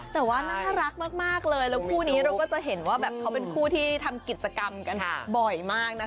แต่ว่าน่ารักมากเลยแล้วคู่นี้เราก็จะเห็นว่าแบบเขาเป็นคู่ที่ทำกิจกรรมกันบ่อยมากนะคะ